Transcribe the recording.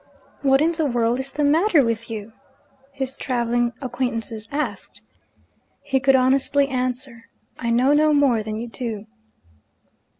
'What in the world is the matter with you?' his travelling acquaintances asked. He could honestly answer, 'I know no more than you do.'